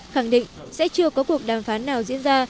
khẳng định sẽ chưa có cuộc đàm phán nào diễn ra